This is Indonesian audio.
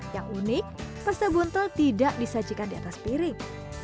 yang unik pasta buntel tidak disajikan di atas piring